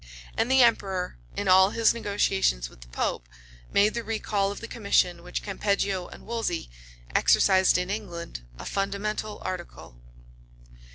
And the emperor, in all his negotiations with the pope, made the recall of the commission which Campeggio and Wolsey exercised in England a fundamental article.